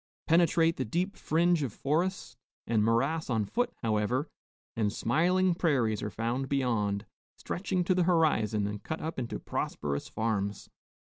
Penetrate the deep fringe of forest and morass on foot, however, and smiling prairies are found beyond, stretching to the horizon and cut up into prosperous farms.